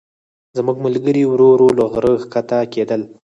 زموږ ملګري ورو ورو له غره ښکته کېدل.